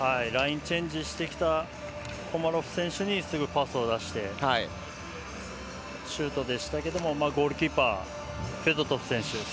ラインチェンジしてきたコマロフ選手にすぐパスを出してシュートでしたけどもゴールキーパーのフェドトフ選手